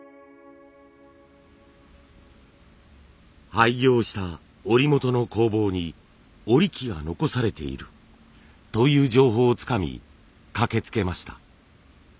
廃業した織元の工房に織り機が残されているという情報をつかみ駆けつけました。